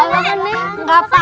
nenek gak apa apa kan